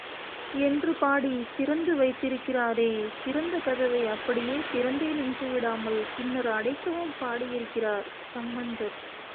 என்று பாடித் திறந்து வைத்திருக்கிறாரே, திறந்த கதவை அப்படியே திறந்தே நின்று விடாமல் பின்னர் அடைக்கவும் பாடியிருக்கிறார் சம்பந்தர்.